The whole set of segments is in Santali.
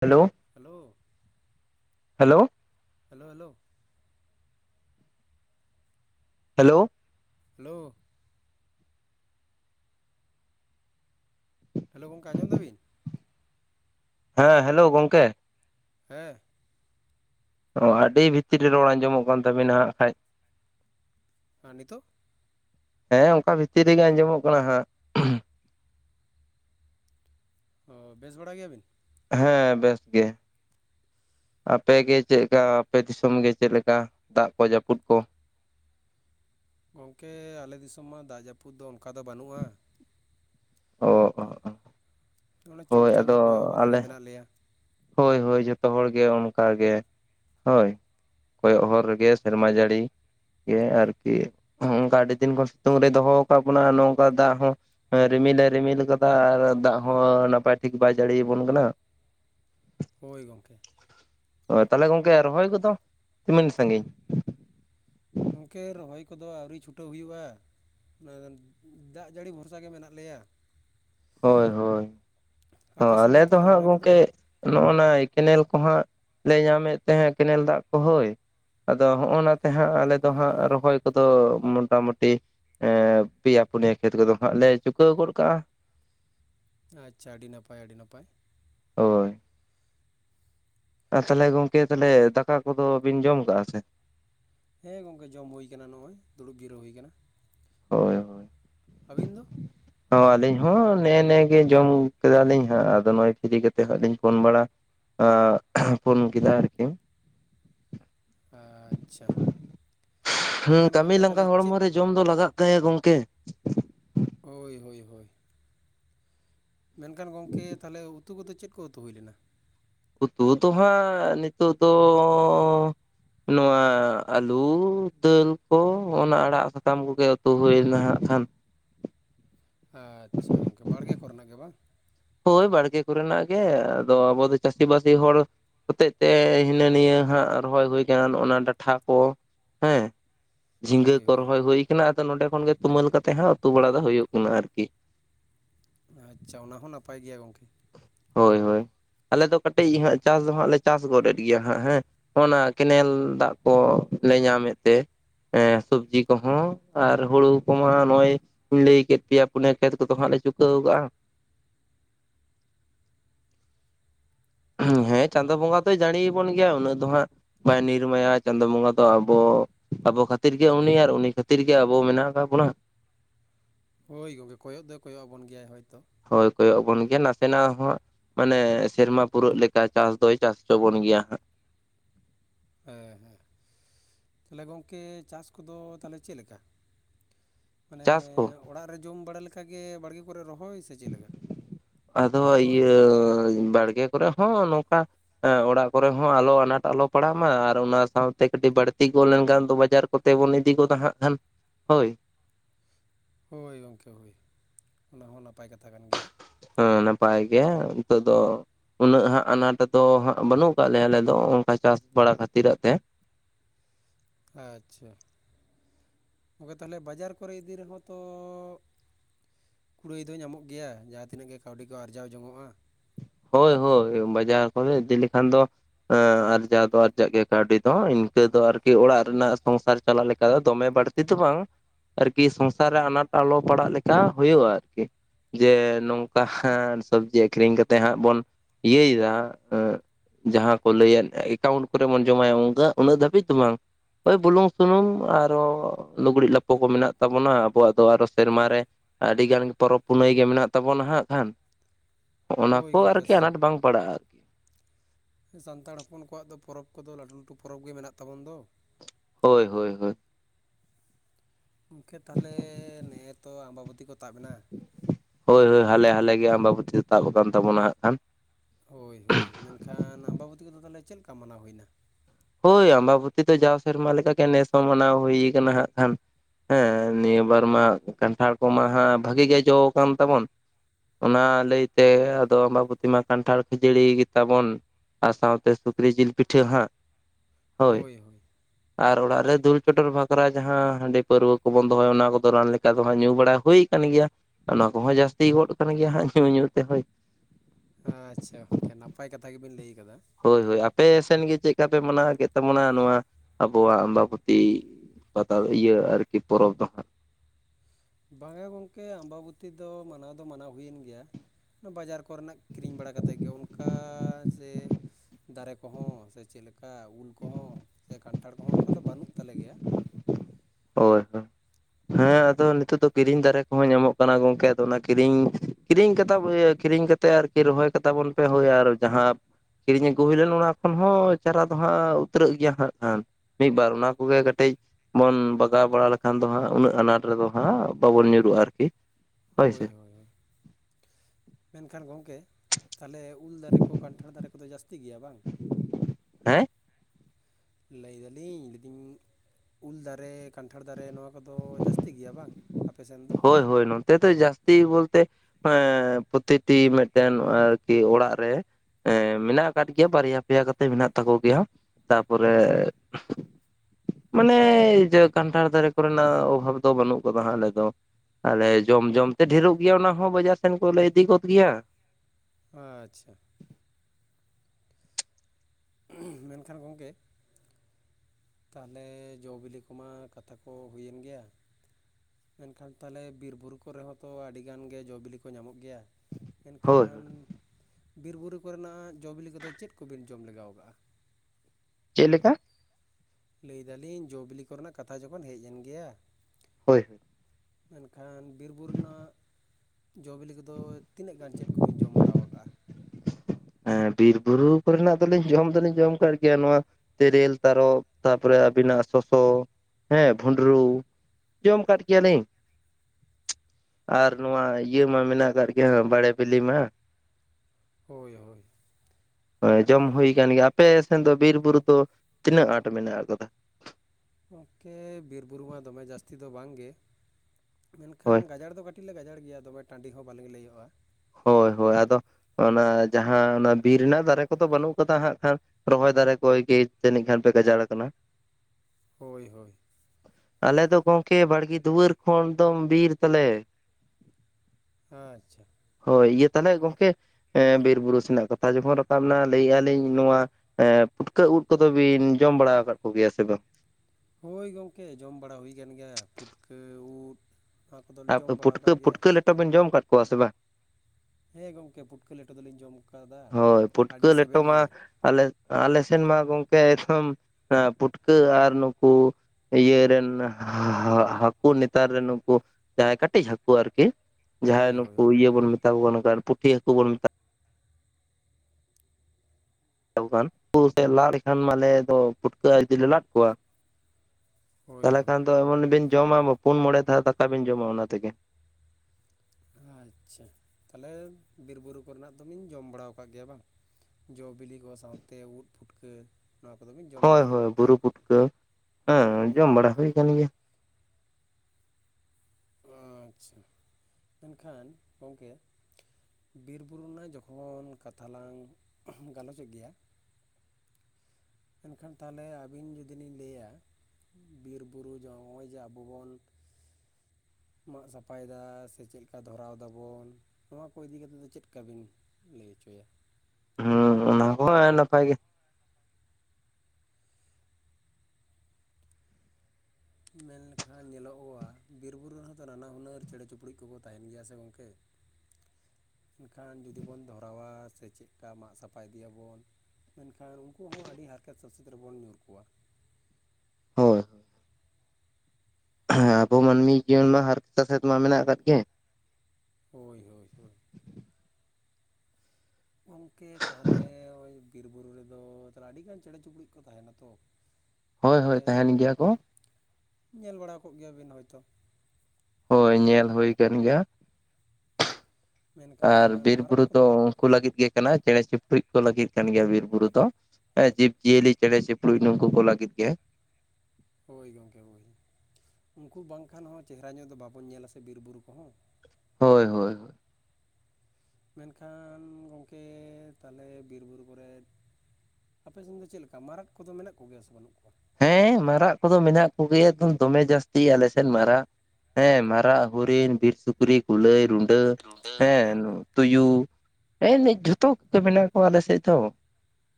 Hello hello hello hello hello hello hello [inaudible] hello ᱜᱚᱝᱠᱮ ᱟᱸᱡᱚᱢ ᱫᱟᱹᱵᱤᱱ ᱦᱮᱸ ᱦᱮᱞᱳ ᱜᱚᱝᱠᱮ ᱦᱮᱸ ᱚ ᱟᱹᱰᱤ ᱵᱷᱤᱛᱤᱨ ᱨᱮ ᱨᱚᱲ ᱟᱸᱡᱚᱢᱚᱜ ᱠᱟᱱ ᱛᱟᱹᱵᱤᱱᱟ ᱦᱟᱸᱜ ᱠᱷᱟᱡ ᱦᱟ ᱱᱤᱛᱚᱜ ᱦᱮᱸ ᱚᱝᱠᱟ ᱵᱷᱤᱛᱤᱨ ᱨᱮᱜᱮ ᱟᱸᱡᱚᱢᱚᱜ ᱠᱟᱱᱟ ᱦᱟᱸᱜ ᱚ ᱵᱮᱥ ᱵᱟᱲᱟ ᱜᱮᱭᱟᱵᱤᱱ ᱦᱮᱸ ᱵᱮᱥ ᱜᱮ ᱟᱯᱮ ᱜᱮ ᱪᱮᱜᱠᱟ ᱟᱯᱮ ᱫᱤᱥᱚᱢ ᱜᱮ ᱪᱮᱫ ᱞᱮᱠᱟ ᱫᱟᱜ ᱠᱚ ᱡᱟᱹᱯᱩᱫ ᱠᱚ ᱜᱚᱝᱠᱮ ᱟᱞᱮ ᱫᱤᱥᱚᱢ ᱢᱟ ᱫᱟᱜ ᱡᱟᱹᱯᱩᱫ ᱫᱚ ᱚᱱᱠᱟ ᱫᱚ ᱵᱟᱹᱱᱩᱜᱼᱟ ᱚ ᱚᱱᱮ ᱪᱚᱴ ᱦᱳᱭ ᱟᱫᱚ ᱪᱟᱸᱫᱳ ᱠᱚᱭᱚᱜ ᱦᱚᱨ ᱨᱮ ᱟᱞᱮ ᱜᱮ ᱢᱮᱱᱟᱜ ᱞᱮᱭᱟ ᱦᱳᱭ ᱦᱳᱭ ᱡᱚᱛᱚ ᱦᱚᱲ ᱜᱮ ᱚᱱᱠᱟ ᱜᱮ ᱦᱳᱭ ᱠᱚᱭᱚᱜ ᱦᱚᱨ ᱨᱮᱜᱮ ᱥᱮᱨᱢᱟ ᱡᱟᱹᱲᱤ ᱜᱮ ᱟᱨᱠᱤ ᱦᱩᱸ ᱚᱝᱠᱟ ᱟᱹᱰᱤ ᱫᱤᱱ ᱠᱷᱚᱱ ᱥᱤᱛᱩᱝ ᱨᱮᱭ ᱫᱚᱦᱚ ᱠᱟᱜ ᱵᱚᱱᱟ ᱱᱚᱝᱠᱟ ᱫᱟᱜ ᱦᱚᱸ ᱦᱮᱸ ᱨᱤᱢᱤᱞ ᱮ ᱨᱤᱢᱤᱞ ᱠᱟᱫᱟ ᱟᱨ ᱫᱟᱜ ᱦᱚᱸ ᱱᱟᱯᱟᱭ ᱴᱷᱤᱠ ᱵᱟᱭ ᱡᱟᱹᱲᱤ ᱟᱵᱚᱱ ᱠᱟᱱᱟ ᱦᱳᱭ ᱜᱚᱝᱠᱮ ᱚ ᱛᱟᱦᱚᱞᱮ ᱜᱚᱝᱠᱮ ᱨᱚᱦᱚᱭ ᱠᱚᱫᱚ ᱛᱤᱢᱤᱱ ᱥᱟᱺᱜᱤᱧ? ᱜᱚᱝᱠᱮ ᱨᱚᱦᱚᱭ ᱠᱚᱫᱚ ᱟᱹᱣᱨᱤ ᱪᱷᱩᱴᱟᱹᱣ ᱦᱩᱭᱩᱜᱼᱟ ᱫᱟᱜ ᱡᱟᱹᱲᱤ ᱵᱷᱚᱨᱥᱟ ᱜᱮ ᱢᱮᱱᱟᱜ ᱞᱮᱭᱟ ᱦᱳᱭ ᱦᱳᱭ ᱚ ᱟᱯᱮ ᱥᱮᱱ ᱟᱞᱮ ᱫᱚ ᱛᱟᱦᱚᱞᱮ ᱦᱟᱸᱜ ᱨᱚᱦᱚᱭ ᱠᱚᱫᱚ ᱜᱚᱝᱠᱮ ᱱᱚᱭᱼᱱᱟᱭ ᱠᱮᱱᱮᱞ ᱠᱚᱦᱟᱸᱜ ᱞᱮ ᱧᱟᱢᱮᱜ ᱛᱟᱦᱮᱸᱜ ᱠᱮᱱᱮᱞ ᱫᱟᱜ ᱠᱚ ᱦᱳᱭ ᱟᱫᱚ ᱦᱚᱸᱜᱼᱚ ᱱᱟᱛᱮ ᱦᱟᱸᱜ ᱟᱞᱮ ᱫᱚ ᱦᱟᱸᱜ ᱨᱚᱦᱚᱭ ᱠᱚᱫᱚ ᱢᱚᱴᱟᱢᱩᱴᱤ ᱮ ᱯᱮᱭᱟ ᱯᱩᱱᱭᱟᱹ ᱠᱷᱮᱛ ᱠᱚᱫᱚ ᱦᱟᱜ ᱞᱮ ᱪᱩᱠᱟᱹᱣ ᱜᱚᱫ ᱠᱟᱜᱼᱟ ᱟᱪᱪᱷᱟ ᱟᱹᱰᱤ ᱱᱟᱯᱟᱭ ᱟᱹᱰᱤ ᱱᱟᱯᱟᱭ ᱦᱳᱭ ᱟᱨ ᱛᱟᱦᱞᱮ ᱜᱚᱝᱠᱮ ᱛᱟᱦᱞᱮ ᱫᱟᱠᱟ ᱠᱚᱫᱚ ᱵᱤᱱ ᱡᱚᱢ ᱠᱟᱜᱼᱟ ᱥᱮ? ᱦᱮᱸ ᱜᱚᱝᱠᱮ ᱡᱚᱢ ᱦᱳᱭᱠᱟᱱᱟ ᱱᱚᱜᱼᱚᱭ ᱫᱩᱲᱩᱵ ᱜᱤᱨᱟᱹᱣ ᱦᱳᱭ ᱠᱟᱱᱟ ᱦᱳᱭ ᱦᱳᱭ ᱟᱹᱵᱤᱱ ᱫᱚ ᱚ ᱟᱹᱞᱤᱧ ᱦᱚᱸ ᱱᱮᱜᱮ ᱱᱮᱜ ᱜᱮ ᱡᱚᱢ ᱠᱮᱫᱟᱞᱤᱧ ᱦᱟᱸᱜ ᱟᱫᱚ ᱱᱚᱜᱼᱚᱭ ᱯᱷᱤᱨᱤ ᱠᱟ ᱠᱟᱛᱮᱜ ᱦᱟᱸᱜ ᱞᱤᱧ ᱯᱷᱳᱱ ᱵᱟᱲᱟ ᱟ ᱯᱷᱳᱱ ᱠᱮᱫᱟ ᱟᱨᱠᱤ ᱟᱪᱪᱷᱟ ᱦᱩᱸ ᱢᱮᱱᱠᱷᱟᱱ ᱠᱟᱹᱢᱤ ᱜᱚᱝᱠᱮ ᱞᱟᱸᱜᱟ ᱛᱟᱦᱚᱞᱮ ᱦᱚᱲᱢᱚ ᱪᱮᱫ ᱨᱮ ᱡᱚᱢ ᱫᱚ ᱞᱟᱜᱟᱜ ᱛᱟᱭᱟ ᱜᱚᱝᱠᱮ ᱦᱳᱭ ᱦᱳᱭ ᱦᱳᱭ ᱢᱮᱱᱠᱷᱟᱱ ᱜᱚᱝᱠᱮ ᱛᱟᱦᱚᱞᱮ ᱩᱛᱩ ᱠᱚᱫᱚ ᱪᱮᱫ ᱠᱚ ᱩᱛᱩ ᱦᱩᱭ ᱞᱮᱱᱟ? ᱩᱛᱩ ᱫᱚ ᱦᱟᱸᱜ ᱱᱤᱛᱳᱜ ᱫᱚᱻ ᱱᱚᱣᱟ ᱟᱹᱞᱩ ᱫᱟᱹᱞ ᱠᱚ ᱚᱱᱟ ᱟᱲᱟᱜ ᱥᱟᱠᱟᱢ ᱠᱚᱜᱮ ᱩᱛᱩ ᱦᱳᱭᱱᱟ ᱦᱟᱸᱜ ᱠᱷᱟᱱ ᱟᱪᱪᱷᱟ ᱜᱚᱝᱠᱮ ᱵᱟᱲᱜᱮ ᱠᱚᱨᱮᱱᱟᱜ ᱜᱮ ᱵᱟᱝ ᱦᱳᱭ ᱵᱟᱲᱜᱮ ᱠᱚᱨᱮᱱᱟᱜ ᱜᱮ᱾ ᱟᱫᱚ ᱟᱵᱚ ᱫᱚ ᱪᱟᱹᱥᱤᱵᱟᱹᱥᱤ ᱦᱚᱲ ᱦᱚᱛᱮᱫ ᱛᱮ ᱦᱤᱱᱟᱹ ᱱᱤᱭᱟᱹ ᱦᱟᱸᱜ ᱨᱚᱦᱚᱭ ᱦᱩᱭ ᱟᱠᱟᱱᱟ ᱰᱟᱴᱷᱟ ᱠᱚ᱾ ᱦᱮᱸ᱾ ᱡᱷᱤᱸᱜᱟᱹ ᱦᱳᱭ ᱠᱚ ᱦᱳᱭ ᱨᱚᱦᱚᱭ ᱦᱩᱭ ᱟᱠᱟᱱᱟ᱾ ᱟᱫᱚ ᱱᱚᱸᱰᱮ ᱠᱷᱚᱱ ᱜᱮ ᱛᱩᱢᱟᱹᱞ ᱠᱟᱛᱮᱜ ᱦᱟᱜ ᱩᱛᱩ ᱵᱟᱲᱟ ᱫᱚ ᱦᱩᱭᱩᱜ ᱠᱟᱱᱟ ᱟᱨᱠᱤ᱾ ᱟᱪᱪᱷᱟ ᱚᱱᱟ ᱦᱚᱸ ᱱᱟᱯᱟᱭ ᱜᱮᱭᱟ ᱜᱚᱝᱠᱮ᱾ ᱦᱳᱭ ᱦᱳᱭ ᱟᱞᱮ ᱫᱚ ᱠᱟᱹᱴᱤᱡ ᱦᱟᱜ ᱪᱟᱥ ᱫᱚ ᱦᱟᱜ ᱞᱮ ᱪᱟᱥ ᱜᱚᱫᱽ ᱮᱫ ᱜᱮᱭᱟ ᱦᱟᱸᱜ ᱦᱮᱸ᱾ ᱚᱱᱟ ᱠᱮᱱᱮᱞ ᱫᱟᱜ ᱠᱚᱞᱮ ᱧᱟᱢᱮᱫ ᱛᱮ ᱦᱮᱸ ᱥᱚᱵᱡᱤ ᱠᱚᱦᱚᱸ ᱟᱨ ᱦᱩᱲᱩ ᱠᱚᱢᱟ ᱱᱚᱜᱼᱚᱭ ᱞᱟᱹᱭ ᱠᱮᱫᱽ ᱯᱮᱭᱟ ᱯᱩᱱᱟᱭᱟ ᱠᱷᱮᱛ ᱠᱚᱫᱚ ᱦᱟᱸᱜ ᱞᱮ ᱪᱩᱠᱟᱹᱣ ᱟᱠᱟᱫᱼᱟ᱾ ᱦᱮᱸ ᱪᱟᱸᱫᱳ ᱵᱚᱸᱜᱟ ᱫᱚᱭ ᱡᱟᱹᱲᱤ ᱟᱵᱚᱱ ᱜᱮᱭᱟ ᱩᱱᱟᱹᱜ ᱫᱚ ᱦᱟᱸᱜ᱾ ᱵᱟᱭ ᱱᱤᱨᱢᱟᱭᱟᱣᱟ ᱪᱟᱸᱫᱚ ᱵᱚᱸᱜᱟ ᱫᱚ᱾ ᱟᱵᱚ ᱟᱵᱚ ᱠᱷᱟᱹᱛᱤᱨ ᱜᱮ ᱩᱱᱤ ᱟᱨ ᱩᱱᱤ ᱠᱷᱟᱹᱛᱤᱨ ᱜᱮ ᱟᱵᱚ ᱢᱮᱱᱟᱜ ᱟᱠᱟᱫ ᱵᱚᱱᱟ᱾ ᱦᱳᱭ ᱜᱚᱢᱠᱮ ᱠᱚᱭᱚᱜ ᱫᱚᱭ ᱠᱚᱭᱚᱜ ᱟᱵᱚᱱ ᱜᱮᱭᱟᱭ ᱦᱳᱭᱛᱚ᱾ ᱦᱳᱭ ᱠᱚᱭᱚᱜ ᱟᱵᱚᱱ ᱜᱮᱭᱟ ᱱᱟᱥᱮᱱᱟᱜ ᱦᱚᱸ᱾ ᱢᱟᱱᱮ ᱥᱮᱨᱢᱟ ᱯᱩᱨᱟᱹᱜ ᱞᱮᱠᱟ ᱪᱟᱥ ᱫᱚᱭ ᱪᱟᱥ ᱦᱚᱪᱚ ᱵᱚᱱ ᱜᱮᱭᱟ ᱦᱟᱸᱜ᱾ ᱦᱮᱸ ᱦᱮᱸ ᱛᱟᱦᱚᱞᱮ ᱜᱚᱝᱠᱮ ᱪᱟᱥ ᱠᱚᱫᱚ ᱛᱟᱦᱚᱞᱮ ᱪᱮᱫ ᱞᱮᱠᱟ? ᱪᱟᱥ ᱠᱚ ᱢᱟᱱᱮ ᱚᱲᱟᱜ ᱨᱮ ᱡᱚᱢ ᱵᱟᱲᱟ ᱞᱮᱠᱷᱟ ᱜᱮ ᱵᱟᱲᱜᱮ ᱠᱚᱨᱮ ᱨᱚᱦᱚᱭ ᱥᱮ ᱪᱮᱫ ᱞᱮᱠᱟ ᱟᱫᱚ ᱨᱚᱦᱚᱭ ᱤᱭᱟᱹ ᱠᱚᱫᱚ ᱵᱟᱲᱜᱮ ᱠᱚᱨᱮ ᱦᱚᱸ ᱱᱚᱝᱠᱟ ᱦᱮᱸ ᱚᱲᱟᱜ ᱠᱚᱨᱮ ᱦᱚᱸ ᱟᱞᱚ ᱟᱱᱟᱴ ᱟᱞᱚ ᱯᱟᱲᱟᱜ ᱢᱟ ᱟᱨ ᱚᱱᱟ ᱥᱟᱶᱛᱮ ᱠᱟᱹᱴᱤᱡ ᱵᱟᱹᱲᱛᱤ ᱜᱚᱫᱽ ᱞᱮᱱᱠᱷᱟᱱ ᱫᱚ ᱵᱟᱡᱟᱨ ᱠᱚ ᱠᱚᱛᱮ ᱵᱚᱱ ᱤᱫᱤ ᱜᱚᱫᱟ ᱦᱟᱸᱜ ᱠᱷᱟᱱ ᱦᱳᱭ᱾ ᱦᱳᱭ ᱜᱚᱢᱠᱮ ᱦᱳᱭ ᱚᱱᱟ ᱦᱚᱸ ᱱᱟᱯᱟᱭ ᱠᱟᱛᱷᱟ ᱠᱟᱱ ᱜᱮᱭᱟ᱾ ᱦᱮᱸ ᱱᱟᱯᱟᱭᱟᱭ ᱜᱮ ᱱᱤᱛᱚᱜᱫᱚ᱾ ᱩᱱᱟᱹᱜ ᱦᱟᱸᱜ ᱟᱱᱟᱴ ᱫᱚ ᱦᱟᱸᱜ ᱵᱟᱹᱱᱩᱜ ᱟᱠᱟᱫ ᱞᱮᱭᱟ ᱟᱞᱮ ᱫᱚ ᱚᱱᱠᱟ ᱪᱟᱥ ᱵᱟᱲᱟ ᱠᱷᱟᱹᱛᱤᱨ ᱛᱮ᱾ ᱟᱪᱪᱷᱟ ᱛᱚᱵᱮ ᱛᱟᱦᱚᱞᱮ ᱵᱟᱡᱟᱨ ᱠᱚᱨᱮ ᱤᱫᱤ ᱨᱮᱦᱚᱸ ᱛᱚ ᱠᱩᱲᱟᱹᱭ ᱫᱚ ᱧᱟᱢᱚᱜ ᱜᱮᱭᱟ ᱡᱟᱦᱟᱸ ᱛᱤᱱᱟᱹᱜ ᱜᱮ ᱠᱟᱹᱣᱰᱤ ᱠᱚ ᱟᱨᱡᱟᱣ ᱡᱚᱝᱚᱜᱼᱟ᱾ ᱦᱳᱭ ᱦᱳᱭ ᱵᱟᱡᱟᱨ ᱠᱚᱨᱮ ᱤᱫᱤ ᱞᱮᱠᱷᱟᱱ ᱫᱚ ᱟᱸ ᱟᱨᱡᱟᱣ ᱫᱚ ᱟᱨᱡᱟᱜ ᱜᱮᱭᱟ ᱠᱟᱹᱣᱰᱤ ᱫᱚ ᱤᱱᱠᱟᱹ ᱫᱚ ᱟᱨᱠᱤ ᱚᱲᱟᱜ ᱨᱮᱱᱟᱜ ᱥᱚᱝᱥᱟᱨ ᱪᱟᱞᱟᱜ ᱞᱮᱠᱟ ᱫᱚ ᱫᱚᱢᱮ ᱵᱟᱹᱲ ᱵᱟᱝ ᱟᱨᱠᱤ ᱥᱚᱝᱥᱟᱨ ᱨᱮ ᱟᱱᱟᱴ ᱟᱞᱚ ᱯᱟᱲᱟᱜ ᱞᱮᱠᱟ ᱦᱩᱭᱩᱜᱼᱟ ᱟᱨᱠᱤ᱾ ᱡᱮ ᱱᱚᱝᱠᱟ ᱥᱚᱵᱽᱡᱤ ᱟᱹᱠᱷᱨᱤᱧ ᱠᱟᱛᱮᱜ ᱦᱟᱸᱜ ᱵᱚᱱ ᱤᱭᱟᱹᱭᱫᱟ ᱟᱸᱜ ᱡᱟᱦᱟᱸ ᱠᱚ ᱞᱟᱹᱭᱟ ᱮᱠᱟᱣᱩᱱᱴ ᱠᱚᱨᱮ ᱵᱚᱱ ᱡᱚᱢᱟᱭᱟ ᱚᱝᱠᱟ ᱩᱱᱟᱹᱜ ᱫᱷᱟᱹᱵᱤᱡᱽ ᱫᱚ ᱵᱟᱝ᱾ ᱳᱭ ᱵᱩᱞᱩᱝ ᱥᱩᱱᱩᱢ ᱟᱨᱚ ᱞᱩᱜᱽᱲᱤᱡ ᱞᱟᱯᱚ ᱠᱚ ᱢᱮᱱᱟᱜ ᱛᱟᱵᱚᱱᱟ ᱟᱵᱚᱣᱟᱜ ᱫᱚ ᱟᱨᱚ ᱥᱮᱨᱢᱟᱨ ᱨᱮ ᱟᱹᱰᱤᱜᱟᱱ ᱯᱚᱨᱚᱵᱽ ᱯᱩᱱᱟᱹᱭ ᱜᱮ ᱢᱮᱱᱟᱜ ᱛᱟᱵᱚᱱᱟ ᱦᱟᱸᱜ ᱠᱷᱟᱱ᱾ ᱚᱱᱟ ᱦᱳᱭ ᱠᱚ ᱜᱚᱢᱠᱮ ᱟᱨᱠᱤ ᱟᱱᱟᱴ ᱵᱟᱝ ᱯᱟᱲᱟᱜᱼᱟ᱾ ᱥᱟᱱᱛᱟᱲ ᱦᱚᱯᱚᱱ ᱠᱚᱣᱟᱜ ᱫᱚ ᱯᱚᱨᱚᱵᱽ ᱠᱚᱫᱚ ᱞᱟᱹᱴᱩ ᱞᱟᱹᱴᱩ ᱯᱚᱨᱚᱵᱽ ᱜᱮ ᱢᱮᱱᱟᱜ ᱛᱟᱵᱚᱱ ᱫᱚ᱾ ᱦᱳᱭ ᱦᱳᱭ ᱦᱳᱭ᱾ ᱜᱚᱢᱠᱮ ᱛᱟᱦᱚᱞᱮ ᱱᱮᱜ-ᱮ ᱛᱚ ᱟᱢᱵᱟᱵᱚᱛᱤ ᱠᱚ ᱛᱟᱵᱽ ᱮᱱᱟ ᱦᱳᱭ ᱦᱳᱭ ᱦᱟᱞᱮ ᱦᱟᱞᱮ ᱜᱮ ᱦᱩᱸ, ᱟᱢᱵᱟᱵᱚᱛᱤ ᱫᱚ ᱛᱟᱵ ᱟᱠᱟᱱ ᱛᱟᱵᱚᱱᱟ ᱦᱟᱸᱜ ᱠᱷᱟᱱ᱾ ᱦᱳᱭ ᱦᱳᱭ ᱢᱮᱱᱠᱷᱟᱱ ᱟᱢᱵᱟᱵᱚᱛᱤ ᱠᱚᱫᱚ ᱛᱟᱦᱚᱞᱮ ᱪᱮᱫ ᱞᱮᱠᱟ ᱢᱟᱱᱟᱣ ᱦᱩᱭᱱᱟ? ᱦᱳᱭ ᱟᱢᱵᱟᱵᱚᱛᱤ ᱫᱚ ᱡᱟᱣ ᱥᱮᱨᱢᱟ ᱞᱮᱠᱟᱜᱮ ᱱᱮᱥ ᱦᱚᱸ ᱢᱟᱱᱟᱣ ᱦᱩᱭ ᱠᱟᱱᱟ ᱦᱟᱸᱜ ᱠᱷᱟᱱ᱾ ᱦᱮᱸ ᱱᱤᱭᱟᱹ ᱵᱟᱨ ᱢᱟ ᱠᱟᱱᱴᱷᱟᱲ ᱠᱚᱢᱟ ᱦᱟᱸᱜ ᱵᱷᱟᱜᱤ ᱜᱮ ᱡᱚᱮ ᱠᱟᱱ ᱛᱟᱵᱚᱱ? ᱚᱱᱟ ᱞᱟᱹᱭᱛᱮ ᱟᱫᱚ ᱟᱢᱵᱟ ᱯᱚᱛᱤ ᱢᱟ ᱠᱟᱱᱴᱷᱟᱲ ᱠᱷᱟᱹᱡᱟᱹᱲᱤ ᱜᱮ ᱛᱟᱵᱚᱱ ᱟᱨ ᱥᱟᱶᱛᱮ ᱥᱩᱠᱨᱤ ᱡᱤᱞ ᱯᱤᱴᱷᱟᱹ ᱦᱟᱸᱜ ᱦᱳᱭ᱾ ᱟᱨ ᱚᱲᱟᱜ ᱨᱮ ᱫᱩᱞ ᱪᱚᱰᱚᱨ ᱵᱟᱠᱷᱨᱟ ᱡᱟᱦᱟᱸ ᱦᱟᱺᱰᱤ ᱯᱟᱹᱨᱣᱟᱹ ᱠᱚᱵᱚᱱ ᱫᱚᱦᱚ ᱚᱱᱟ ᱠᱚᱫᱚ ᱨᱟᱱ ᱞᱮᱠᱟ ᱫᱚ ᱦᱟᱸᱜ ᱧᱩ ᱵᱟᱲᱟ ᱦᱩᱭ ᱠᱟᱱ ᱜᱮᱭᱟ ᱟᱨ ᱱᱚᱣᱟ ᱠᱚᱦᱚᱸ ᱡᱟᱹᱥᱛᱤ ᱜᱚᱫᱚᱜ ᱠᱟᱱ ᱜᱮᱭᱟ ᱦᱟᱸᱜ ᱧᱩᱼᱧᱩ ᱛᱮ ᱦᱳᱭ᱾ ᱟᱪᱪᱷᱟ ᱱᱟᱯᱟᱭ ᱠᱟᱛᱷᱟ ᱜᱮᱵᱤᱱ ᱞᱟᱹᱭ ᱟᱠᱟᱫᱟ᱾ ᱦᱳᱭ ᱦᱳᱭ ᱟᱯᱮ ᱥᱮᱱ ᱜᱮ ᱪᱮᱫ ᱞᱮᱠᱟ ᱯᱮ ᱢᱟᱱᱟᱣ ᱠᱮᱫ ᱛᱟᱵᱚᱱᱟ ᱱᱚᱣᱟ ᱟᱵᱚᱣᱟᱜ ᱟᱢᱵᱟᱵᱚᱛᱤ? ᱯᱟᱛᱟᱣ ᱤᱭᱟᱹ ᱟᱨᱠᱤ ᱯᱚᱨᱚᱵᱽ ᱫᱚ ᱦᱟᱸᱜ ᱵᱟᱝᱟ ᱜᱚᱢᱠᱮ ᱟᱢᱵᱟᱵᱚᱛᱤ ᱫᱚ ᱢᱟᱱᱟᱣ ᱫᱚ ᱢᱟᱱᱟᱣ ᱦᱩᱭᱮᱱ ᱜᱮᱭᱟ᱾ ᱵᱟᱡᱟᱨ ᱠᱚᱨᱮᱱᱟᱜ ᱠᱤᱨᱤᱧ ᱵᱟᱲᱟ ᱠᱟᱛᱮᱫ ᱜᱮ ᱚᱱᱠᱟ ᱡᱮ ᱫᱟᱨᱮ ᱠᱚᱦᱚᱸ ᱥᱮ ᱪᱮᱫᱽᱠᱟ ᱩᱞ ᱠᱚᱦᱚᱸ ᱥᱮ ᱠᱟᱱᱴᱷᱟᱲ ᱠᱚᱦᱚᱸ ᱚᱱᱠᱟ ᱫᱚ ᱵᱟᱹᱱᱩᱜ ᱛᱟᱞᱮ ᱜᱮᱭᱟ᱾ ᱦᱳᱭ ᱦᱳᱭ ᱦᱮᱸ ᱟᱫᱚ ᱱᱤᱛᱚᱜ ᱫᱚ ᱠᱤᱨᱤᱧ ᱫᱟᱨᱮ ᱠᱚᱦᱚᱸ ᱧᱟᱢᱚᱜ ᱠᱟᱱᱟ ᱠᱟᱱᱟ ᱜᱚᱝᱠᱮ ᱟᱫᱚ ᱚᱱᱟ ᱠᱤᱨᱤᱧ ᱠᱤᱨᱤᱧ ᱠᱟᱛᱟ ᱠᱤᱨᱤᱧ ᱠᱟᱛᱮ ᱟᱨᱠᱤ ᱨᱚᱦᱚᱭ ᱠᱟᱛᱟ ᱵᱚᱱ ᱯᱮ ᱦᱳᱭ ᱟᱨ ᱡᱟᱦᱟᱸ ᱠᱤᱨᱤᱧ ᱟᱹᱜᱩ ᱦᱩᱭ ᱞᱮᱱ ᱚᱱᱟ ᱠᱷᱚᱱ ᱦᱚᱸ ᱪᱟᱨᱟ ᱫᱚ ᱦᱟᱸᱜ ᱩᱛᱟᱹᱨᱟᱹᱜ ᱜᱮᱭᱟ ᱦᱟᱸᱜ ᱠᱷᱟᱱ ᱢᱤᱫᱵᱟᱨ ᱚᱱᱟᱠᱚᱜᱮ ᱠᱟᱹᱴᱤᱡ ᱵᱚᱱ ᱵᱟᱜᱟᱣ ᱵᱟᱲᱟ ᱞᱮᱠᱷᱟᱱ ᱫᱚ ᱦᱟᱸᱜ ᱩᱱᱟᱹᱜ ᱟᱱᱟᱴ ᱨᱮᱫᱚ ᱦᱟᱸᱜ ᱵᱟᱵᱚᱱ ᱧᱩᱨᱩᱜ-ᱟ ᱟᱨᱠᱤ ᱦᱳᱭ ᱦᱳᱭ ᱢᱮᱱᱠᱷᱟᱱ ᱜᱚᱝᱠᱮ ᱛᱟᱦᱚᱞᱮ ᱩᱞ ᱫᱟᱨᱮ ᱠᱚ ᱠᱟᱱᱴᱷᱟᱲ ᱫᱟᱨᱮ ᱠᱚᱫᱚ ᱡᱟᱹᱥᱛᱤ ᱜᱮᱭᱟ ᱵᱟᱝ ᱦᱮᱸ ᱞᱟᱹᱭ ᱫᱟᱞᱤᱧ [inaudible] ᱩᱞ ᱫᱟᱨᱮ ᱠᱟᱱᱴᱷᱟᱲ ᱫᱟᱨᱮ ᱱᱚᱣᱟ ᱠᱚᱫᱚ ᱡᱟᱹᱥᱛᱤ ᱜᱮᱭᱟ ᱵᱟᱝ ᱟᱯᱮ ᱥᱮᱱ ᱫᱚ ᱦᱳᱭ ᱦᱳᱭ ᱱᱚᱛᱮ ᱫᱚ ᱡᱟᱥᱛᱤ ᱵᱚᱞᱛᱮ ᱦᱮᱸ ᱯᱨᱚᱛᱤᱴᱤ ᱢᱤᱫᱴᱮᱱ ᱟᱨᱠᱤ ᱚᱲᱟᱜ ᱨᱮ ᱮᱸ ᱢᱮᱱᱟᱜ ᱟᱠᱟᱫ ᱜᱮᱭᱟ ᱵᱟᱨᱭᱟ ᱯᱮᱭᱟ ᱠᱟᱛᱮᱜ ᱢᱮᱱᱟᱜ ᱛᱟᱠᱚ ᱜᱮᱭᱟ᱾ ᱛᱟᱯᱚᱨᱮ ᱢᱟᱱᱮ ᱠᱟᱱᱴᱷᱟᱲ ᱫᱟᱨᱮ ᱠᱚᱨᱮᱱᱟᱜ ᱚᱵᱷᱟᱵᱽ ᱫᱚ ᱵᱟᱹᱱᱩᱜ ᱠᱟᱫᱟ ᱦᱟᱸᱜ ᱟᱞᱮ ᱫᱚ ᱟᱞᱮ ᱡᱚᱢ ᱡᱚᱢ ᱛᱮ ᱰᱷᱮᱨᱚᱜ ᱜᱮᱭᱟ ᱚᱱᱟ ᱦᱚᱸ ᱵᱟᱡᱟᱨ ᱥᱮᱱ ᱠᱚᱞᱮ ᱤᱫᱤ ᱜᱚᱫ ᱜᱮᱭᱟ᱾ ᱟᱪᱪᱷᱟ ᱢᱮᱱᱠᱷᱟᱱ ᱜᱚᱝᱠᱮ ᱛᱟᱦᱚᱞᱮ ᱡᱚ ᱵᱤᱞᱤ ᱠᱚᱢᱟ ᱠᱟᱛᱷᱟ ᱠᱚ ᱦᱩᱭᱮᱱ ᱜᱮᱭᱟ ᱢᱮᱱᱠᱷᱟᱱ ᱛᱟᱦᱚᱞᱮ ᱵᱤᱨ ᱵᱩᱨᱩ ᱠᱚᱨᱮ ᱦᱚᱸ ᱛᱚ ᱟᱹᱰᱤ ᱜᱟᱱ ᱜᱮ ᱡᱚ ᱵᱤᱞᱤ ᱠᱚ ᱧᱟᱢᱚᱜ ᱜᱮᱭᱟ? ᱦᱳᱭ ᱢᱮᱱᱠᱷᱟᱱ ᱵᱤᱨᱼᱵᱩᱨᱩ ᱠᱚᱨᱮᱱᱟᱜ ᱡᱚ ᱵᱤᱞᱤ ᱠᱚᱫᱚ ᱪᱮᱫ ᱠᱚᱵᱤᱱ ᱡᱚᱢ ᱞᱮᱜᱟᱣ ᱠᱟᱜ-ᱟ? ᱪᱮᱫ ᱞᱮᱠᱟ ᱞᱟᱹᱭ ᱫᱟᱞᱤᱧ ᱡᱚ ᱵᱤᱞᱤ ᱠᱚᱨᱮᱱᱟᱜ ᱠᱟᱛᱷᱟ ᱡᱚᱠᱷᱚᱱ ᱦᱮᱡ ᱮᱱ ᱜᱮᱭᱟ᱾ ᱦᱳᱭ ᱢᱮᱱᱠᱷᱟᱱ ᱵᱤᱨ ᱵᱩᱨᱩ ᱨᱮᱱᱟᱜ ᱡᱚᱼᱵᱤᱞᱤ ᱠᱚᱫᱚ ᱛᱤᱱᱟᱹᱜ ᱜᱟᱱ ᱪᱮᱫ? ᱠᱩᱧ ᱡᱚᱢ ᱵᱟᱲᱟ ᱣᱟᱠᱟᱫ-ᱟ ᱦᱮᱸ ᱵᱤᱨ ᱵᱩᱨᱩ ᱠᱚᱨᱮᱱᱟᱜ ᱫᱚᱞᱤᱧ ᱡᱚᱢ ᱫᱚᱞᱤᱧ ᱡᱚᱢ ᱟᱠᱟᱫ ᱜᱮᱭᱟ ᱱᱚᱣᱟ ᱛᱮᱨᱮᱞ ᱛᱟᱨᱚ ᱛᱟᱨᱯᱚᱨᱮ ᱟᱹᱵᱤᱱᱟᱜ ᱥᱚᱥᱚ ᱦᱮᱸ ᱵᱷᱩᱸᱰᱨᱩ, ᱡᱚᱢ ᱟᱠᱟᱫ ᱜᱮᱭᱟᱞᱤᱧ᱾ ᱟᱨ ᱱᱚᱣᱟ ᱤᱭᱟᱹ ᱢᱟ ᱢᱮᱱᱟᱜ ᱠᱟᱫ ᱜᱮᱭᱟ ᱵᱟᱲᱮ ᱵᱤᱞᱤ ᱢᱟ ᱦᱳᱭ ᱦᱳᱭ ᱡᱚᱢ ᱦᱩᱭ ᱟᱠᱟᱱ ᱜᱮᱭᱟ ᱟᱯᱮ ᱥᱮᱱ ᱫᱚ ᱵᱤᱨ ᱵᱩᱨᱩ ᱫᱚ ᱛᱤᱱᱟᱹᱜ ᱟᱸᱴ ᱢᱮᱱᱟᱜ ᱟᱠᱟᱫᱟ? ᱜᱚᱢᱠᱮ ᱵᱤᱨᱵᱩᱨᱩ ᱢᱟ ᱫᱚᱢᱮ ᱡᱟᱹᱥᱛᱤ ᱫᱚ ᱵᱟᱝ ᱜᱮ᱾ ᱢᱮᱱᱠᱷᱟᱱ ᱦᱳᱭ ᱜᱟᱡᱟᱲ ᱫᱚ ᱠᱟᱹᱴ ᱠᱟᱹᱴᱤᱡ ᱞᱮ ᱜᱟᱡᱟᱲ ᱜᱮᱭᱟ ᱫᱚᱵᱮ ᱴᱟᱺᱰᱤ ᱦᱚᱸ ᱵᱟᱞᱮ ᱞᱟᱹᱭᱚᱜᱼᱟ ᱦᱳᱭ ᱦᱳᱭ ᱟᱫᱚ ᱚᱱᱟ ᱡᱟᱦᱟᱸ ᱚᱱᱟ ᱵᱤᱨ ᱨᱮᱱᱟᱜ ᱫᱟᱨᱮ ᱠᱚᱫᱚ ᱵᱟᱹᱱᱩᱜ ᱠᱟᱫᱟ ᱦᱟᱸᱜ ᱠᱷᱟᱱ ᱨᱚᱦᱚᱭ ᱫᱟᱨᱮ ᱠᱚ ᱜᱮ ᱛᱤᱱᱟᱹᱜ ᱜᱟᱱ ᱯᱮ ᱜᱟᱡᱟᱲ ᱠᱟᱱᱟ? ᱦᱳᱭ ᱦᱳᱭ ᱟᱞᱮ ᱫᱚ ᱜᱚᱝᱠᱮ ᱵᱟᱲᱜᱮ ᱫᱩᱣᱟᱹᱨ ᱠᱷᱚᱱ ᱫᱚ ᱵᱤᱨ ᱛᱟᱞᱮ ᱟᱪᱪᱷᱟ ᱦᱳᱭ ᱤᱭᱟᱹ ᱛᱟᱦᱚᱞᱮ ᱜᱚᱝᱠᱮ ᱵᱤᱨ ᱵᱩᱨᱩ ᱥᱮᱱᱟᱜ ᱠᱟᱛᱷᱟ ᱡᱚᱠᱷᱚᱱ ᱨᱟᱠᱟᱵ ᱮᱱᱟ ᱞᱟᱹᱭᱮᱜ-ᱟ ᱞᱤᱧ ᱱᱚᱣᱟ ᱮ ᱯᱩᱴᱠᱟᱹ ᱩᱫ ᱠᱚᱫᱚ ᱵᱤᱱ ᱡᱚᱢ ᱵᱟᱲᱟ ᱟᱠᱟᱫ ᱠᱚᱜᱮᱭᱟ ᱥᱮ ᱵᱟᱝ? ᱦᱳᱭ ᱜᱚᱝᱠᱮ ᱡᱚᱢ ᱵᱟᱲᱟ ᱦᱩᱭ ᱟᱠᱟᱱ ᱜᱮᱭᱟ ᱯᱩᱴᱠᱟᱹ ᱩᱫ, ᱚᱱᱟ ᱠᱚᱫᱚᱞᱮ ᱡᱚᱢ ᱵᱟᱲᱟ ᱟᱠᱟᱫ ᱜᱮᱭᱟ᱾ ᱡᱚᱵᱮᱱ ᱡᱚᱢ ᱟᱠᱟᱫ ᱠᱚᱣᱟ ᱥᱮ ᱵᱟᱝ? ᱦᱮᱸ ᱜᱚᱝᱠᱮ ᱯᱩᱴᱠᱟᱹ ᱞᱮᱴᱚ ᱫᱚᱞᱤᱧ ᱡᱚᱢ ᱟᱠᱟᱫᱟ ᱦᱳᱭ ᱟᱹᱰᱤ ᱯᱩᱴᱠᱟᱹ ᱞᱮᱴᱚ ᱥᱮᱵᱮᱞ ᱜᱮ ᱢᱟ ᱟᱞᱮ ᱟᱞᱮ ᱥᱮᱱ ᱢᱟ ᱜᱚᱝᱠᱮ ᱮᱛᱚᱢ ᱯᱩᱴᱠᱟᱹ ᱟᱨ ᱱᱩᱠᱩ ᱤᱭᱟᱹ ᱨᱮᱱ ᱦᱟ ᱦᱟ ᱦᱟᱠᱩ ᱱᱮᱛᱟᱨ ᱨᱮᱱ ᱱᱩᱠᱩ ᱡᱟᱦᱟᱸᱭ ᱠᱟᱹᱴᱤᱡ ᱦᱟᱹᱠᱩ ᱟᱨᱠᱤ ᱡᱟᱦᱟᱸᱭ ᱦᱳᱭ ᱱᱩᱠᱩ ᱦᱳᱭ ᱤᱭᱟᱹ ᱵᱚᱱ ᱢᱮᱛᱟ ᱠᱚᱣᱟ ᱯᱩᱛᱤ ᱦᱟᱹᱠᱩ ᱵᱚᱱ ᱢᱮᱛᱟ ᱠᱚᱣᱟ ᱞᱟᱫ ᱞᱮᱠᱷᱟᱱ ᱢᱟᱞᱮ ᱫᱚ, ᱯᱷᱩᱴᱠᱟᱹ ᱟᱨ [unintelligible] ᱞᱟᱫ ᱠᱚᱣᱟ ᱦᱳᱭ ᱛᱟᱦᱚᱞᱮ ᱦᱳᱭ ᱠᱷᱟᱱ ᱫᱚ ᱮᱢᱚᱱ ᱵᱤᱱ ᱡᱚᱢᱟ ᱯᱩᱱ ᱢᱚᱬᱮ ᱫᱷᱟᱣ ᱫᱟᱠᱟ ᱵᱤᱱ ᱡᱚᱢᱟ ᱚᱱᱟ ᱛᱮᱜᱮ᱾ ᱟᱪᱪᱷᱟ ᱛᱟᱦᱚᱞᱮ ᱵᱤᱨ ᱵᱩᱨᱩ ᱠᱚᱨᱮᱱᱟᱜ ᱫᱚᱵᱤᱱ ᱡᱚᱢ ᱵᱟᱲᱟ ᱟᱠᱟᱫ ᱜᱮᱭᱟ ᱵᱟᱝ ᱡᱚᱼ ᱵᱤᱞᱤ ᱠᱚ ᱥᱟᱶᱛᱮ ᱳᱫ ᱯᱩᱴᱠᱟᱹ ᱱᱚᱣᱟ ᱠᱚᱫᱚ ᱵᱤᱱ ᱦᱳᱭ ᱦᱳᱭ ᱵᱩᱨᱩ ᱯᱩᱴᱠᱟᱹ ᱦᱮᱸ ᱡᱚᱢ ᱵᱟᱲᱟ ᱦᱩᱭ ᱟᱠᱟᱱ ᱜᱮᱭᱟ ᱟᱪᱪᱷᱟ ᱢᱮᱱᱠᱷᱟᱱ ᱜᱚᱢᱠᱮ ᱵᱤᱨ ᱵᱩᱨᱩ ᱨᱮᱱᱟᱜ ᱡᱚᱠᱷᱚᱱ ᱠᱟᱛᱷᱟ ᱞᱟᱝ ᱜᱟᱞᱚᱪᱮᱫ ᱜᱮᱭᱟ ᱮᱱᱠᱷᱟᱱ ᱛᱟᱦᱚᱞᱮ ᱟᱹᱵᱤᱱ ᱡᱩᱫᱤ ᱞᱤᱧ ᱞᱟᱹᱭᱟ ᱵᱤᱨ ᱵᱩᱨᱩ ᱱᱚᱜᱼᱚᱭ ᱡᱮ ᱟᱵᱚ ᱵᱚᱱ ᱢᱟᱜ ᱥᱟᱯᱷᱟᱭᱮᱫᱟ ᱥᱮ ᱪᱮᱫᱠᱟ ᱫᱷᱚᱨᱟᱣ ᱫᱟᱵᱚᱱ ᱱᱚᱣᱟ ᱠᱚ ᱤᱫᱤ ᱠᱟᱛᱮᱫ ᱫᱚ ᱪᱮᱫᱠᱟ ᱵᱤᱱ ᱞᱟᱹᱭ ᱦᱚᱪᱚᱭᱟ ᱦᱩᱸ ᱚᱱᱟ ᱦᱳᱭ ᱱᱟᱯᱟᱭ ᱜᱮ ᱢᱮᱱ ᱞᱮᱠᱷᱟᱱ ᱧᱮᱞᱚᱜᱚᱜᱼᱟ, ᱵᱤᱨ ᱵᱩᱨᱩ ᱨᱮᱦᱚᱸ ᱛᱚ ᱱᱟᱱᱟ ᱦᱩᱱᱟᱹᱨ ᱪᱮᱸᱬᱮ ᱪᱩᱯᱲᱩᱫ ᱠᱚᱠᱚ ᱛᱟᱦᱮᱱ ᱜᱮᱭᱟ ᱥᱮ ᱜᱚᱝᱠᱮ [inaudible] ᱮᱱᱠᱷᱟᱱ ᱡᱩᱫᱤ ᱵᱚᱱ ᱫᱷᱚᱨᱟᱣᱟ ᱥᱮ ᱪᱮᱫᱠᱟ ᱢᱟᱜ ᱥᱟᱯᱷᱟ ᱤᱫᱤᱭᱟᱵᱚᱱ ᱢᱮᱱᱠᱷᱟᱱ ᱩᱱᱠᱩ ᱦᱚᱸ ᱟᱹᱰᱤ ᱦᱟᱨᱠᱮᱛ ᱥᱟᱥᱮᱛ ᱨᱮᱵᱚᱱ ᱧᱩᱨ ᱠᱚᱣᱟ᱾ ᱦᱳᱭ ᱟᱵᱚ ᱢᱟᱹᱱᱢᱤ ᱡᱤᱭᱚᱱ ᱢᱟ ᱦᱟᱨᱠᱮᱛ ᱥᱟᱥᱮᱛ ᱢᱟ ᱢᱮᱱᱟᱜ ᱟᱠᱟᱫ ᱜᱮ ᱦᱳᱭ ᱦᱳᱭ ᱦᱳᱭ ᱜᱚᱢᱠᱮ ᱛᱟᱦᱚᱞᱮ ᱳᱭ ᱵᱤᱨ ᱵᱩᱨᱩ ᱨᱮᱫᱚ ᱟᱹᱰᱤ ᱜᱟᱱ ᱪᱮᱸᱬᱮ ᱪᱩᱯᱲᱩᱫ ᱠᱚ ᱛᱟᱦᱮᱱᱟ ᱛᱚ ᱦᱳᱭ ᱦᱳᱭ ᱛᱟᱦᱚᱞᱮ ᱛᱟᱦᱮᱱ ᱜᱮᱭᱟ ᱠᱚ ᱧᱮᱞ ᱵᱟᱲᱟ ᱠᱚᱜ ᱜᱮᱭᱟ ᱵᱮᱱ ᱦᱚᱭᱛᱚ᱾ ᱦᱳᱭ ᱧᱮᱞ ᱦᱳᱭ ᱠᱟᱱ ᱜᱮᱭᱟ᱾ ᱟᱨ ᱢᱮᱱᱠᱷᱟᱱ ᱵᱤᱨ ᱢᱟᱨᱟᱜ ᱵᱩᱨᱩ ᱫᱚ ᱠᱚᱫᱚ ᱠᱚ ᱩᱱᱠᱩ ᱞᱟᱹᱜᱤᱫ ᱜᱮ ᱠᱟᱱᱟ ᱪᱮᱸᱬᱮ ᱪᱤᱯᱲᱩᱫ ᱠᱚ ᱞᱟᱹᱜᱤᱫ ᱠᱟᱱ ᱜᱮᱭᱟ ᱵᱤᱨ ᱵᱩᱨᱩ ᱫᱚ᱾ ᱦᱮᱸ ᱡᱤᱵᱽ ᱡᱤᱭᱟᱹᱞᱤ ᱪᱮᱸᱬᱮ ᱪᱤᱯᱲᱩᱫ ᱱᱩᱝᱠᱩ ᱠᱚ ᱞᱟᱹᱜᱤᱫ ᱜᱮ᱾ ᱦᱳᱭ ᱜᱚᱝᱠᱮ ᱦᱳᱭ ᱩᱱᱠᱩ ᱵᱟᱝᱠᱷᱟᱱ ᱦᱚᱸ ᱪᱮᱦᱨᱟ ᱧᱚᱜ ᱫᱚ ᱵᱟᱵᱚᱱ ᱧᱮᱞᱟ ᱥᱮ ᱵᱤᱨ ᱵᱩᱨᱩ ᱠᱚᱦᱚᱸ ᱦᱳᱭ ᱦᱳᱭ ᱦᱳᱭ᱾ ᱢᱮᱱᱠᱷᱟᱱ ᱜᱚᱢᱠᱮ ᱛᱟᱦᱚᱞᱮ ᱵᱤᱨᱼᱵᱩᱨᱩ ᱠᱚᱨᱮᱫ ᱟᱯᱮ ᱥᱮᱱ ᱫᱚ ᱪᱮᱫ ᱞᱮᱠᱟ ᱢᱟᱨᱟᱫ ᱠᱚᱫᱚ ᱢᱮᱱᱟᱜ ᱠᱚᱜᱮᱭᱟ ᱥᱮ ᱵᱟᱹᱱᱩᱜ ᱠᱚᱣᱟ ᱦᱮᱸ ᱢᱟᱨᱟᱫ ᱠᱚᱫᱚ ᱢᱮᱱᱟᱜ ᱠᱚ ᱜᱮᱭᱟ ᱫᱚᱢᱮ ᱡᱟᱹᱥᱛᱤ ᱟᱞᱮ ᱥᱮᱫ ᱢᱟᱨᱟᱜ ᱦᱮᱸ ᱢᱟᱨᱟᱜ, ᱦᱚᱨᱤᱱ, ᱵᱤᱨ ᱥᱩᱠᱨᱤ, ᱠᱩᱞᱟᱹᱭ, ᱨᱩᱸᱰᱟᱹ ᱦᱮᱸ ᱛᱩᱭᱩ ᱮᱱᱮᱡ ᱡᱷᱚᱛᱚ ᱠᱚᱜᱮ ᱢᱮᱱᱟᱜ ᱠᱚᱣᱟ ᱟᱞᱮ ᱥᱮᱫ ᱫᱚ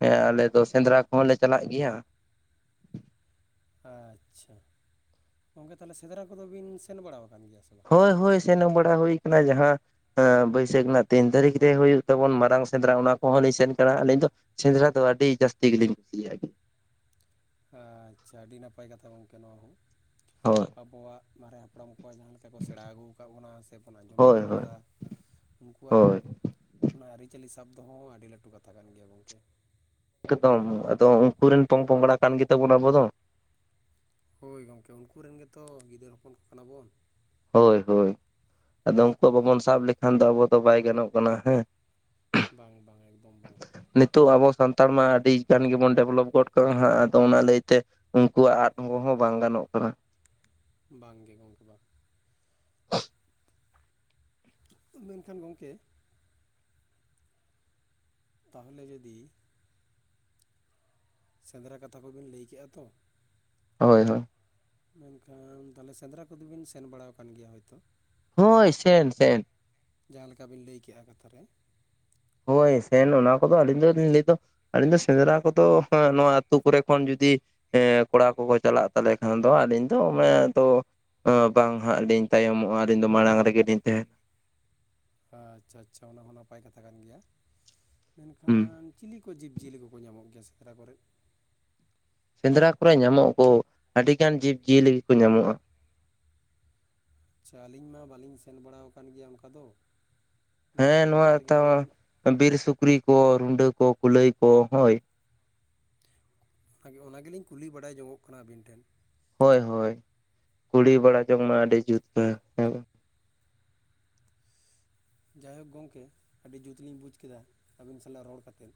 ᱦᱮᱸ ᱟᱞᱮ ᱫᱚ ᱥᱮᱸᱫᱽᱨᱟ ᱠᱚᱦᱚᱸ ᱞᱮ ᱪᱟᱞᱟᱜ ᱜᱮᱭᱟ᱾ ᱟᱪᱪᱷᱟ ᱜᱚᱝᱠᱮ ᱛᱟᱦᱚᱞᱮ ᱥᱮᱸᱫᱽᱨᱟ ᱠᱚᱫᱚ ᱵᱤᱱ ᱥᱮᱱ ᱵᱟᱲᱟ ᱠᱟᱱ ᱜᱮᱭᱟ ᱥᱮ ᱵᱟᱝ ᱦᱳᱭ ᱦᱳᱭ ᱥᱮᱱᱚᱜ ᱵᱟᱲᱟ ᱦᱩᱭ ᱠᱟᱱᱟ ᱡᱟᱦᱟᱸ ᱦᱮᱸ ᱵᱟᱹᱭᱥᱟᱹᱠᱷ ᱨᱮᱱᱟᱜ ᱛᱤᱱ ᱛᱟᱹᱨᱤᱠᱷ ᱨᱮ ᱦᱩᱭᱩᱜ ᱛᱟᱵᱚᱱ ᱢᱟᱨᱟᱝ ᱥᱮᱸᱫᱽᱨᱟ, ᱚᱱᱟ ᱠᱚᱦᱚᱸ ᱞᱤᱧ ᱥᱮᱱ ᱠᱟᱱᱟ ᱟᱹᱞᱤᱧ ᱫᱚ᱾ ᱥᱮᱸᱫᱽᱨᱟ ᱫᱚ ᱟᱹᱰᱤ ᱡᱟᱹᱥᱛᱤ ᱜᱮᱞᱤᱧ ᱠᱩᱥᱤᱭᱟᱜᱼᱟ ᱜᱮ ᱟᱪᱪᱷᱟ ᱟᱹᱰᱤ ᱱᱟᱯᱟᱭ ᱠᱟᱛᱷᱟ ᱜᱚᱝᱠᱮ ᱱᱚᱣᱟ ᱦᱚᱸ ᱦᱳᱭ ᱟᱵᱚᱣᱟᱜ ᱢᱟᱨᱮ ᱦᱟᱯᱲᱟᱢ ᱠᱚᱣᱟᱜ ᱡᱟᱦᱟᱸ ᱞᱮᱠᱟ ᱠᱚ ᱥᱮᱲᱟ ᱟᱹᱜᱩ ᱟᱠᱟᱫ ᱵᱚᱱᱟ ᱥᱮ ᱵᱚᱱ ᱟᱸᱡᱚᱢ ᱦᱳᱭ ᱟᱹᱜᱩ ᱦᱳᱭ ᱟᱠᱟᱫᱟ ᱩᱱᱠᱩᱣᱟᱜ ᱦᱳᱭ ᱚᱱᱟ ᱟᱹᱨᱤᱪᱟᱹᱞᱤ ᱥᱟᱵ ᱫᱚᱦᱚᱸ ᱟᱹᱰᱤ ᱞᱟᱹᱴᱩ ᱠᱟᱛᱷᱟ ᱠᱟᱱ ᱜᱮᱭᱟ ᱜᱚᱝᱠᱮ ᱮᱠᱫᱚᱢ ᱟᱫᱚᱢ ᱩᱱᱠᱩᱨᱮᱱ ᱯᱚᱝ ᱯᱚᱝᱲᱟ ᱠᱟᱱ ᱜᱮᱛᱟᱵᱚᱱᱟ ᱟᱵᱚ ᱫᱚ ᱦᱳᱭ ᱜᱚᱝᱠᱮ ᱩᱱᱠᱩ ᱨᱮᱱ ᱜᱮᱛᱚ ᱜᱤᱫᱟᱹᱨ ᱦᱚᱯᱚᱱ ᱠᱚ ᱠᱟᱱᱟ ᱵᱚᱱ᱾ ᱦᱳᱭ ᱦᱳᱭ᱾ᱟᱫᱚ ᱩᱱᱠᱩᱣᱟᱜ ᱵᱟᱵᱚᱱ ᱥᱟᱵ ᱞᱮᱠᱷᱟᱱ ᱫᱚ ᱟᱵᱚ ᱫᱚ ᱵᱟᱭ ᱜᱟᱱᱚᱜ ᱠᱟᱱᱟ ᱦᱮᱸ ᱵᱟᱝ ᱵᱟᱝ ᱮᱠᱫᱚᱢ ᱵᱟᱝ ᱱᱤᱛᱳᱜ ᱟᱵᱚ ᱥᱟᱱᱛᱟᱲ ᱢᱟ ᱟᱹᱰᱤ ᱜᱟᱱ ᱜᱮ ᱵᱚᱱ ᱰᱮᱵᱷᱞᱚᱯ ᱜᱚᱫ ᱠᱟᱜᱼᱟ ᱦᱟᱸᱜ ᱟᱫᱚ ᱚᱱᱟ ᱞᱟᱹᱭᱛᱮ ᱩᱱᱠᱩᱣᱟᱜ ᱟᱫ ᱦᱚᱸ ᱦᱚᱸ ᱵᱟᱝ ᱜᱟᱱᱚᱜ ᱠᱟᱱᱟ᱾ ᱵᱟᱝ ᱜᱮ ᱜᱚᱢᱠᱮ ᱵᱟ [unintelligible] ᱢᱮᱱᱠᱷᱟᱱ ᱜᱚᱢᱠᱮ ᱛᱟᱦᱚᱞᱮ ᱡᱩᱫᱤ ᱥᱮᱸᱫᱽᱨᱟ ᱠᱟᱛᱷᱟ ᱠᱚ ᱵᱤᱱ ᱞᱟᱹᱭ ᱠᱮᱭᱟ ᱛᱚ᱾ ᱦᱳᱭ ᱦᱳᱭ ᱢᱮᱱᱠᱷᱟᱱ ᱛᱟᱦᱚᱞᱮ ᱥᱮᱸᱫᱽᱨᱟ ᱠᱚᱫᱚᱵᱤᱱ ᱥᱮᱱ ᱵᱟᱲᱟ ᱟᱠᱟᱱ ᱜᱮᱭᱟ ᱦᱳᱭᱛᱚ ᱦᱳᱭ ᱥᱮᱱ ᱥᱮᱱ ᱡᱟᱦᱟᱸ ᱞᱮᱠᱟ ᱵᱤᱱ ᱞᱟᱹᱭ ᱠᱮᱫᱮᱜ-ᱟ ᱠᱟᱛᱷᱟ ᱨᱮ ᱦᱳᱭ ᱥᱮᱱ ᱚᱱᱟ ᱠᱚᱫᱚ ᱟᱹᱞᱤᱧ ᱫᱚᱞᱤᱧ ᱞᱟᱹᱭ ᱫᱚ ᱟᱹᱞᱤᱧ ᱫᱚ ᱥᱮᱸᱫᱽᱨᱟ ᱠᱚᱫᱚ ᱱᱚᱣᱟ ᱟᱹᱛᱩ ᱠᱚᱨᱮ ᱠᱷᱚᱱ ᱡᱩᱫᱤ ᱦ ᱠᱚᱲᱟ ᱠᱚᱠᱚ ᱪᱟᱞᱟᱜ ᱛᱟᱞᱮ ᱠᱷᱟᱱ ᱫᱚ ᱟᱹᱞᱤᱧ ᱫᱚ ᱟᱱᱮ ᱛᱚ ᱵᱟᱝ ᱦᱟᱸᱜ ᱞᱤᱧ ᱛᱟᱭᱚᱢᱚᱜ-ᱟ ᱟᱹᱞᱤᱧ ᱫᱚ ᱢᱟᱲᱟᱝ ᱨᱮᱜᱮᱞᱤᱧ ᱛᱟᱦᱮᱱᱟ ᱟᱪᱷᱟ ᱟᱪᱷᱟ ᱚᱱᱟ ᱦᱚᱸ ᱱᱟᱯᱟᱭ ᱠᱟᱛᱷᱟ ᱠᱟᱱ ᱜᱮᱭᱟ ᱦᱩᱸ ᱢᱮᱱᱠᱷᱟᱱ ᱪᱤᱞᱤ ᱱᱠᱩ ᱡᱤᱵᱽ-ᱡᱤᱭᱟᱹᱞᱤ ᱠᱚᱠᱚ ᱧᱟᱢᱚᱜ ᱜᱮᱭᱟ ᱥᱮᱠᱨᱟ ᱠᱚᱨᱮ ᱥᱮᱸᱫᱽᱨᱟ ᱠᱚᱨᱮ ᱧᱟᱢᱚᱜ-ᱟ ᱟᱹᱰᱤ ᱜᱟᱱ ᱡᱤᱵᱽ ᱡᱤᱭᱟᱹᱞᱤ ᱠᱚ ᱧᱟᱢᱚᱜ-ᱟ ᱟᱪᱷᱟ ᱟᱹᱞᱤᱧ ᱢᱟ ᱵᱟᱹᱞᱤᱧ ᱥᱮᱱ ᱵᱟᱲᱟ ᱟᱠᱟᱱ ᱜᱮᱭᱟ ᱚᱱᱠᱟ ᱫᱚ ᱮᱱᱠᱷᱟᱱ ᱦᱮᱸ ᱚᱱᱟ ᱱᱚᱣᱟ ᱛᱮᱜᱮᱞᱤᱧ ᱛᱟᱣ ᱵᱤᱨ ᱥᱩᱠᱨᱤ ᱠᱚ ᱨᱩᱰᱟᱹ ᱠᱚ ᱠᱩᱞᱟᱹᱭ ᱠᱚ ᱦᱳᱭ ᱚᱱᱟ ᱜᱮᱞᱤᱧ ᱠᱩᱞᱤ ᱵᱟᱲᱟᱭ ᱡᱚᱝᱚᱜ ᱠᱟᱱᱟ ᱟᱹᱵᱤᱱ ᱴᱷᱮᱱ ᱦᱳᱭ ᱦᱳᱭ ᱠᱩᱲᱤ ᱵᱟᱲᱟ ᱡᱚᱝ ᱢᱟ ᱟᱹᱰᱤ ᱡᱩᱛ ᱠᱟᱱᱟ ᱦᱮᱸ ᱵᱟᱝ ᱡᱟᱭᱦᱳᱠ ᱜᱚᱝᱠᱮ ᱟᱹᱰᱤ ᱡᱩᱛᱞᱤᱧ ᱵᱩᱡ ᱠᱮᱫᱟ, ᱟᱹᱵᱤᱱ ᱥᱟᱞᱟᱜ ᱨᱚᱲ ᱠᱟᱛᱮᱫ?